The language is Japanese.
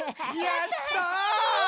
やったち！